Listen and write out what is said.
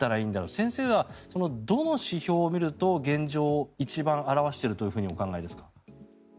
先生はどの指標を見ると現状を一番表しているとお考えですか？